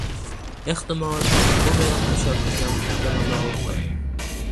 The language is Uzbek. Ehtimol, bu meni qurshab turgan muhit bilan bog‘liqdir.